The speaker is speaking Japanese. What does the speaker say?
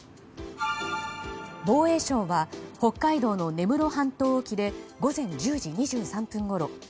防衛省は北海道の根室半島沖で午前１０時２３分ごろ